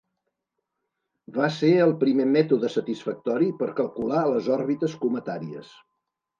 Va ser el primer mètode satisfactori per calcular les òrbites cometàries.